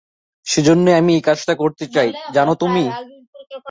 সেজন্যই আমি এই কাজটা করতে চাই, জানো তুমি?